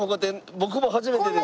僕も初めてです。